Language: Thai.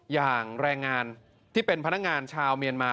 อย่างแรงงานที่เป็นพนักงานชาวเมียนมา